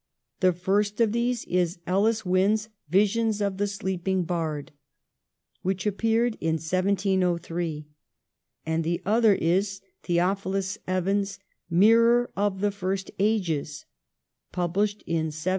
The first of these is Ellis Wynn's 'Visions of the Sleeping Bard,' which appeared in 1703; and the other is Theophilus Evans' 'Mirror of the First Ages,' published in 1716.